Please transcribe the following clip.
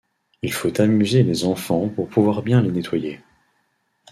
Il faut amuser les enfants pour pouvoir bien les nettoyer.